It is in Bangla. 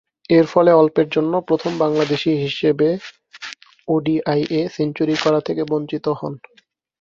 এরফলে অল্পের জন্য প্রথম বাংলাদেশী হিসেবে ওডিআইয়ে সেঞ্চুরি করা থেকে বঞ্চিত হন।